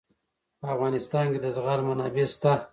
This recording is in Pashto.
په افغانستان کې د زغال منابع شته.